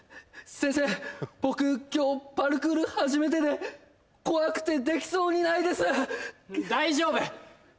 先生僕今日パルクール初めてで怖くてできそうにないです！